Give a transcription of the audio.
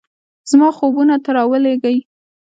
زما خوبونو ته راولیږئ